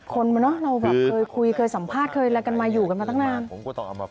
คนเราเคยคุยเคยสัมภาษณ์เคยรักกันมาอยู่กันมาตั้งนาน